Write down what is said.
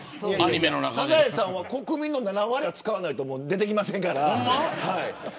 いやいや、サザエさんは国民の７割が使わないと出てきませんから。